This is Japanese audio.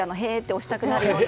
押したくなるような。